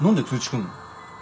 来んの？